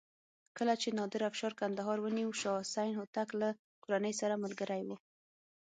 کله چې نادر افشار کندهار ونیو شاه حسین هوتک له کورنۍ سره ملګری و.